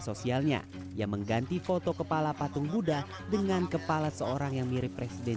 sosialnya yang mengganti foto kepala patung buddha dengan kepala seorang yang mirip presiden